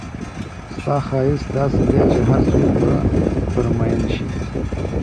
ستا ښایست داسې دی چې هرڅوک به پر مئین شي.